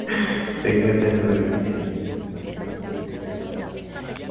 Se encuentra en Nueva Guinea, Islas Marianas y las Islas Marshall.